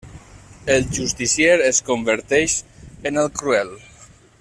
El Justicier es converteix en el Cruel.